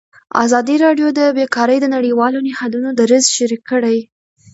ازادي راډیو د بیکاري د نړیوالو نهادونو دریځ شریک کړی.